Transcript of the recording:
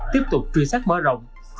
tiếp tục truy sát mở rộng